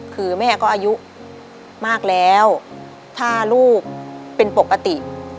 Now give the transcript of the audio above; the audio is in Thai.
คือแม่ก็อายุมากแล้วถ้าลูกเป็นปกติ